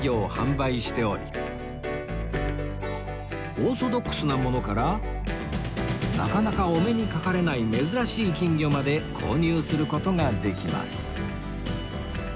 オーソドックスなものからなかなかお目にかかれない珍しい金魚まで購入する事ができます